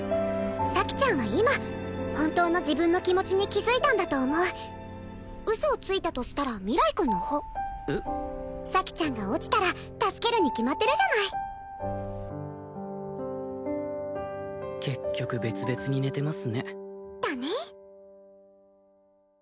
咲ちゃんは今本当の自分の気持ちに気づいたんだと思うウソをついたとしたら明日君の方えっ咲ちゃんが落ちたら助けるに決まってるじゃない結局別々に寝てますねだね